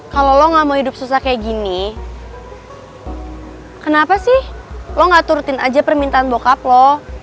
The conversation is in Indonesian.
kalau lo gak mau hidup susah kayak gini kenapa sih lo gak turutin aja permintaan bokap lo